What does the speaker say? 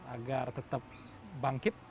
agar tetap bangkit